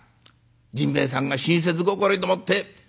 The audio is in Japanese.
甚兵衛さんが親切心でもって。